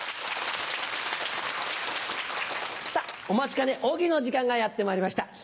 お待ちかね大喜利の時間がやってまいりました。